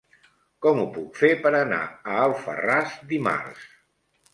Com ho puc fer per anar a Alfarràs dimarts?